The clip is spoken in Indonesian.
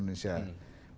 madaika ini yang setidaknya